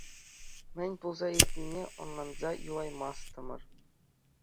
Мӗн пулса иртнине ӑнланса юлаймастӑмӑр.